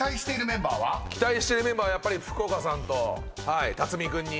期待しているメンバーはやっぱり福岡さんと辰巳君に。